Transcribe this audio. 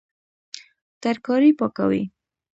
ترکاري پاکوي